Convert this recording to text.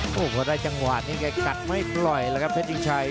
โอ้โหพอได้จังหวะนี้แกกัดไม่ปล่อยแล้วครับเพชรชิงชัย